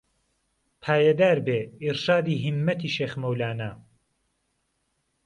پایەدار بێ ئیڕشادی هیممەتی شێخ مەولانە